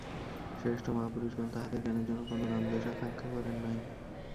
শ্রেষ্ঠ মহাপুরুষগণ তাঁহাদের জ্ঞানের জন্য কোন নাম-যশ আকাঙ্ক্ষা করেন নাই।